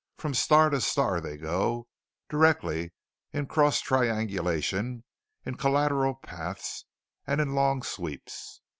From star to star they go, directly and in cross triangulation, in collateral paths and in long sweeps.